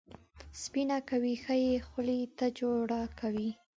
سپینه کوي، ښه یې خولې ته جوړه کوي.